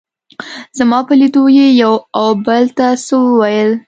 زما په لیدو یې یو او بل ته څه وویل.